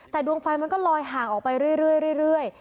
แต่ดวงไฟมันก็ลอยห่างออกไปเรื่อย